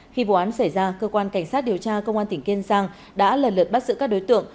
khi vụ án xảy ra cơ quan cảnh sát điều tra công an tỉnh kiên giang đã lần lượt bắt giữ các đối tượng